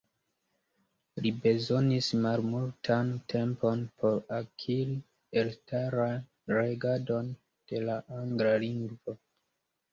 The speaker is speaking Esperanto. Li bezonis malmultan tempon por akiri elstaran regadon de la angla lingvo.